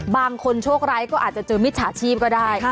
บางคนโชคร้ายก็อาจจะเจอมิจฉาชีพก็ได้